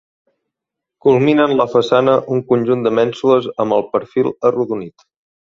Culminen la façana un conjunt de mènsules amb el perfil arrodonit.